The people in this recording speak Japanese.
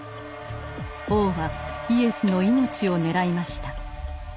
王はイエスの命を狙いました。